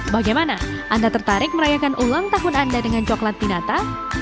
bagaimana anda tertarik merayakan ulang tahun anda dengan coklat pinata